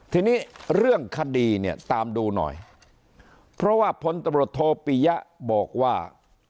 ทีนี้เรื่องคดีเนี่ยตามดูหน่อยเพราะว่าพลตำรวจโทปิยะบอกว่า